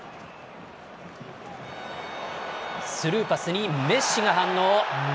スルーパスにメッシが反応。